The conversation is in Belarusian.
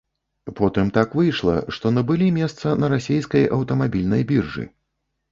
Потым так выйшла, што набылі месца на расейскай аўтамабільнай біржы.